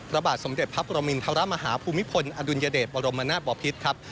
ระบาดสมเด็จพระปรมินทรมาฮาภูมิพลอดุลยเดชบรมนาศบอพิษครับ